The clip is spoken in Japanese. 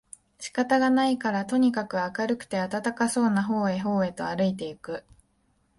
仕方がないからとにかく明るくて暖かそうな方へ方へとあるいて行く